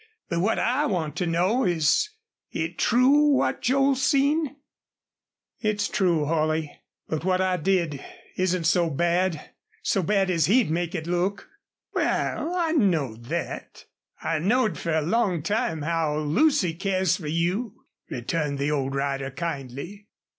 But what I want to know, is it true what Joel seen?" "It's true, Holley. But what I did isn't so bad so bad as he'd make it look." "Wal, I knowed thet. I knowed fer a long time how Lucy cares fer you," returned the old rider, kindly.